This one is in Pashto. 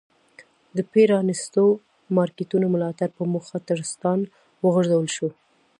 د پ رانیستو مارکېټونو ملاتړ په موخه ټرستان وغورځول شول.